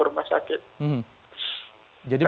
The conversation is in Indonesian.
hasilnya saya bawa ke rumah sakit